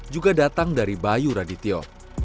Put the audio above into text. juga datang dari bayu radityo